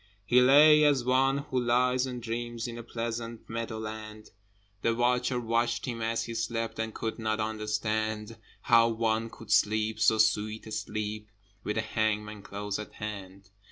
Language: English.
He lay as one who lies and dreams In a pleasant meadow land, The watcher watched him as he slept, And could not understand How one could sleep so sweet a sleep With a hangman close at hand?